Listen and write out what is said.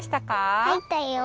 はいったよ！